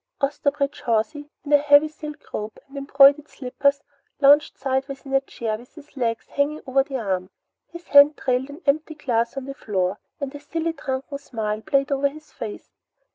Osterbridge Hawsey, in a heavy silk robe and embroidered slippers, lounged sideways in a chair with his legs hanging over the arm. His hand trailed an empty glass on the floor, and a silly drunken smile played over his face.